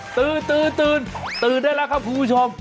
ตื่นตื่นได้แล้วครับคุณผู้ชม